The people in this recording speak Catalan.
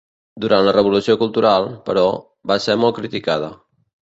Durant la Revolució Cultural, però, va ser molt criticada.